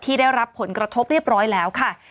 ได้รับผลกระทบเรียบร้อยแล้วค่ะ